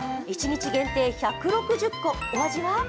１日限定１６０個お味は？